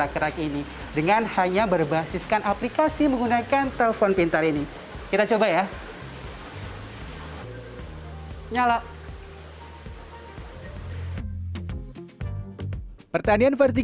kita bisa memprediksi